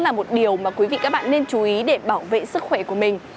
là một điều mà quý vị các bạn nên chú ý để bảo vệ sức khỏe của mình